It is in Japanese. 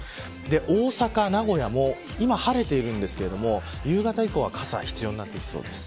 大阪、名古屋も今は晴れていますが夕方以降は傘が必要になってきそうです。